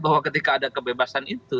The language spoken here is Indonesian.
bahwa ketika ada kebebasan itu